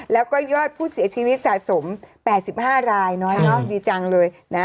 และก็ยอดผู้เสียชีวิตสะสม๘๕รายดีจังเลย